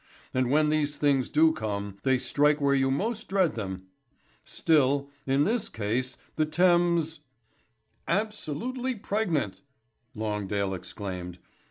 And when these things do come they strike where you most dread them. Still, in this case, the Thames " "Absolutely pregnant," Longdale exclaimed.